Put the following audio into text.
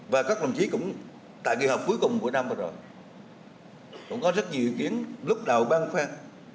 và các đồng chí cũng tại kỳ họp cuối cùng của năm vừa rồi cũng có rất nhiều ý kiến lúc đầu băng khoăn